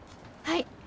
はい。